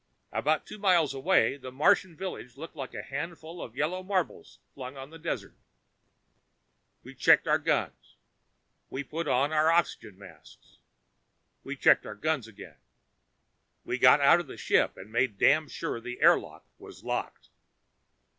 About two miles away, the Martian village looked like a handful of yellow marbles flung on the desert. We checked our guns. We put on our oxygen masks. We checked our guns again. We got out of the ship and made damned sure the airlock was locked.